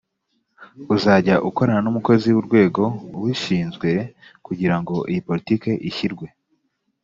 uzajya ukorana n umukozi w urwego ubishinzwe kugira ngo iyi politiki ishyirwe